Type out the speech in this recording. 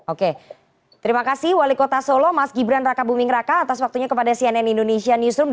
oke terima kasih wali kota solo mas gibran raka buming raka atas waktunya kepada cnn indonesia newsroom